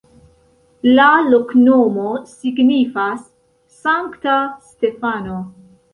La loknomo signifas: Sankta Stefano.